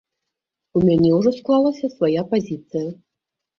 У мяне ўжо склалася свая пазіцыя.